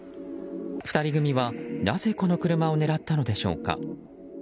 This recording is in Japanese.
２人組は、なぜこの車を狙ったのでしょうか。